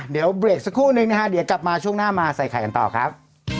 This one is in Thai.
เดี๋ยวเบรกสักครู่นึงนะฮะเดี๋ยวกลับมาช่วงหน้ามาใส่ไข่กันต่อครับ